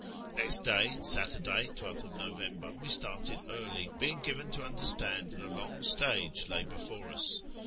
Next day (Saturday, 12 th November) we started early, being given to understand that a long stage lay before us.